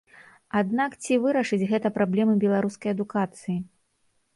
Аднак ці вырашыць гэта праблемы беларускай адукацыі?